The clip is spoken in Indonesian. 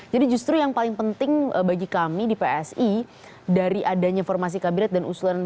jadi justru yang paling penting bagi kami di psi dari adanya formasi kabinet dan usulan dua belas kabinet